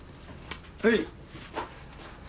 はい？